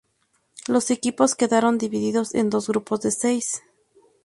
Los equipos quedaron divididos en dos grupos de seis.